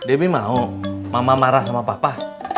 debbie mau mama marah sama papa